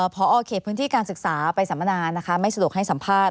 พอเขตพื้นที่การศึกษาไปสัมมนานะคะไม่สะดวกให้สัมภาษณ